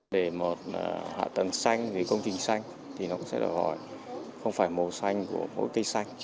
để một hạ tầng xanh công trình xanh thì nó cũng sẽ được gọi không phải màu xanh của mỗi cây xanh